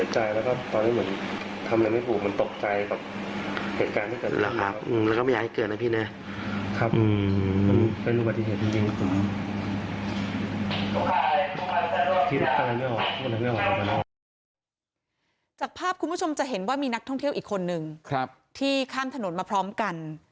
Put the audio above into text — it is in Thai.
จากภาพคุณผู้ชมจะเห็นว่ามีนักท่องเที่ยวอีกคนนึงที่ข้ามถนนมาพร้อมกัน